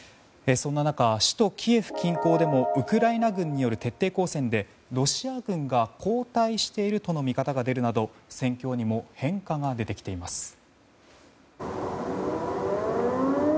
そんな中、首都キエフ近郊でもウクライナ軍の徹底抗戦でロシア軍が後退しているとの見方が出るなど戦況にも変化が出てきています。